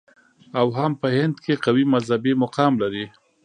او هم په هند کې قوي مذهبي مقام لري.